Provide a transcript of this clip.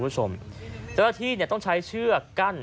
เจ้าหน้าที่ต้องใช้เชือกกั้น